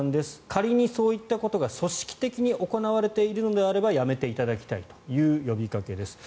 仮にそういったことが組織的に行われているのであればやめていただきたいという呼びかけです。